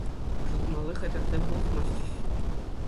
Ӑшӑтмалли хатӗрсем пулӑшмастчӗҫ.